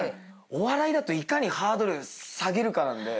お笑いだといかにハードル下げるかなんで。